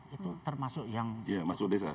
itu termasuk yang masuk di sana